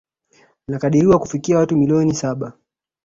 Linakadiriwa kufikia watu milioni saba